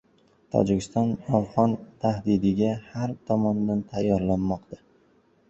Tojikiston afg‘on tahdidiga "har tomondan" tayyorlanmoqda